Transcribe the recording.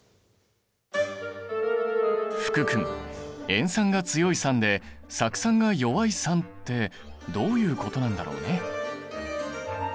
福君塩酸が強い酸で酢酸が弱い酸ってどういうことなんだろうね。